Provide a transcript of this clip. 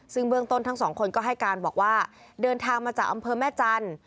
ซึ่งเบื้องต้นทั้งสองคนก็ให้การบอกว่าเดินทางมาจากอำเภอแม่จันทร์